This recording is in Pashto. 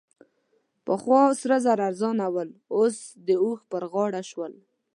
پخوا سره زر ارزانه ول؛ اوس د اوښ په غاړه شول.